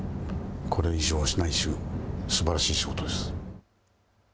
これ以上ないすばらしい仕事です。